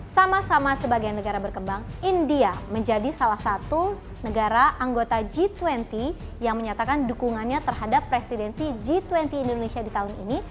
sama sama sebagai negara berkembang india menjadi salah satu negara anggota g dua puluh yang menyatakan dukungannya terhadap presidensi g dua puluh indonesia di tahun ini